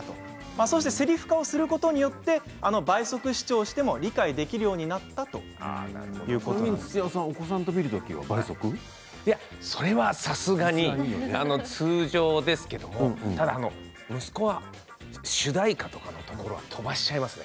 そしてせりふ化することによって倍速視聴しても理解できるようになったという土屋さんはそれはさすがに通常ですけども息子は主題歌とかのところを飛ばしちゃいますね